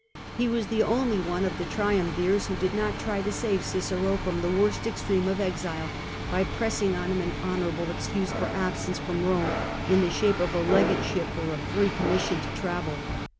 He was the only one of the triumvirs who did not try to save Cicero from the worst extreme of exile, by pressing on him an honourable excuse for absence from Rome, in the shape of a legateship or a ""free commission'' to travel.